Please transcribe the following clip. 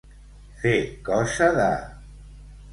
Fer cosa de.